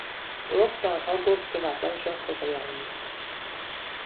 رک به آنها گفت که مقدمشان خوشایند نیست.